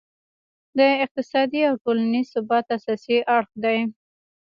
د اقتصادي او ټولینز ثبات اساسي اړخ دی.